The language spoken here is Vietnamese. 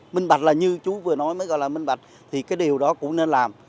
minh bạch là như chú vừa nói mới gọi là minh bạch thì cái điều đó cũng nên làm